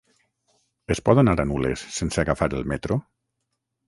Es pot anar a Nules sense agafar el metro?